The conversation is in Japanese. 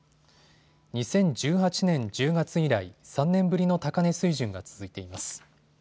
２０１８年１０月以来、３年ぶりの高値水準が続いています。